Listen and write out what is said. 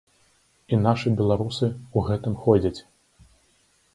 І нашы беларусы у гэтым ходзяць.